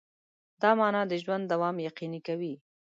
دا مانا د ژوند دوام یقیني کوي.